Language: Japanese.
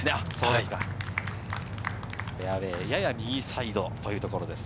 フェアウエー、やや右サイドというところです。